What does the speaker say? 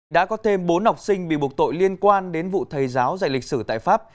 đã có thêm bốn học sinh bị buộc tội liên quan đến vụ thầy giáo dạy lịch sử tại pháp